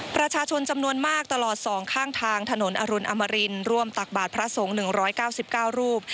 ประชาชนจำนวนมากตลอด๒ข้างทางถนนอรุณอมรินร่วมตักบาทพระสงฆ์๑๙๙รูป